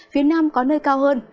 phía nam có nơi cao hơn